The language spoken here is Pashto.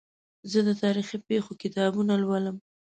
زه د تاریخي پېښو کتابونه لولم.